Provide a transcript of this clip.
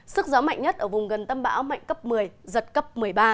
sức gió mạnh nhất ở vùng gần tâm bão mạnh cấp một mươi giật cấp một mươi ba